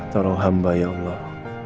tolong hamba ya allah